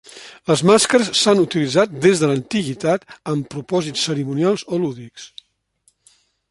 Les màscares s'han utilitzat des de l'antiguitat amb propòsits cerimonials o lúdics.